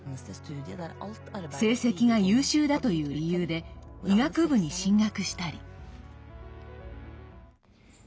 成績が優秀だという理由で医学部に進学したり。